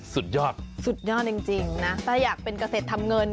สุดยอดสุดยอดจริงนะถ้าอยากเป็นเกษตรทำเงิน